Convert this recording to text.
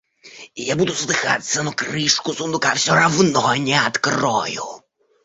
Я буду задыхаться, но крышку сундука все равно не открою.